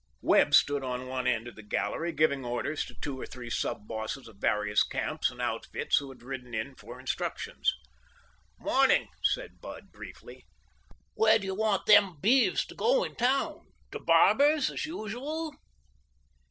Webb stood on one end of the gallery giving orders to two or three sub bosses of various camps and outfits who had ridden in for instructions. "Morning," said Bud briefly. "Where do you want them beeves to go in town—to Barber's, as usual?"